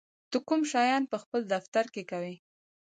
ته کوم شیان په خپل دفتر کې کوې؟